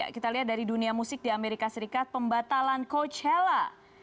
kita lihat dari dunia musik di amerika serikat pembatalan coachella